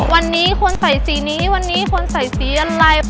วันนี้คนใส่สีนี้วันนี้คนใส่สีอะไร